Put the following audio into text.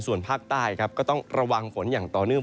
ส่วนภาคใต้ครับก็ต้องระวังฝนอย่างต่อเนื่อง